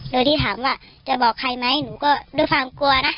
โดยที่ถามว่าจะบอกใครไหมหนูก็ด้วยความกลัวนะ